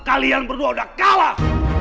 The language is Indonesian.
kalian berdua sudah kalah